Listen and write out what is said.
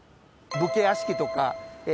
武家屋敷とか社寺